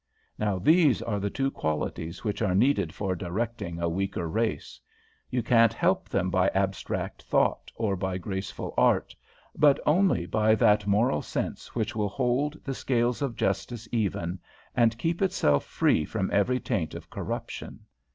Now, these are the two qualities which are needed for directing a weaker race. You can't help them by abstract thought or by graceful art, but only by that moral sense which will hold the scales of Justice even, and keep itself free from every taint of corruption.